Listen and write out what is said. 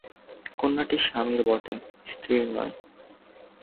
কন্যাটি স্বামীর বটে, স্ত্রীর নয়।